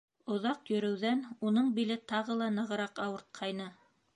Оҙаҡ йөрөүҙән уның биле тағы ла нығыраҡ ауыртҡайны.